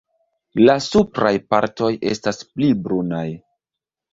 La supraj partoj estas pli brunaj.